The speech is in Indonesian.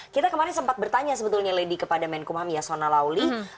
kita kemarin sempat bertanya sebetulnya lady kepada menkumham yasona lauli